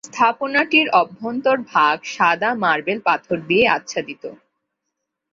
স্থাপনাটির অভ্যন্তর ভাগ সাদা মার্বেল পাথর দিয়ে আচ্ছাদিত।